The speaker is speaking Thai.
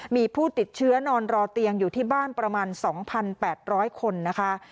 มีผู้ติดเชื้อนอนรอเตียงอยู่ที่บ้านประมาณ๒๘๐๐คนนะคะ